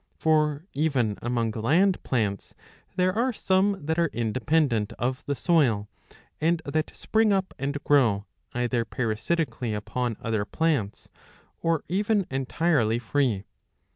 For even among land plants there are some that are independent of the soil, and that spring up and grow, either parasitically upon other plants, "*^ or even entirely free.